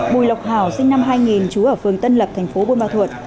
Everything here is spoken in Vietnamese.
bùi lộc hảo sinh năm hai nghìn chú ở phường tân lập thành phố vân ba thuật